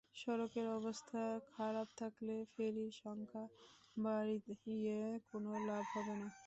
সড়কের অবস্থা খারাপ থাকলে ফেরির সংখ্যা বাড়িয়ে কোনো লাভ হবে না।